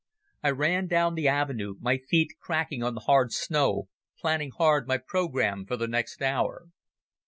I ran down the avenue, my feet cracking on the hard snow, planning hard my programme for the next hour.